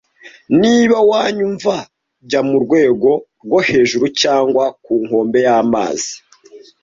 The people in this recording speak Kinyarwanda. Niba wanyumva jya murwego rwo hejuru cyangwa ku nkombe y'amazi,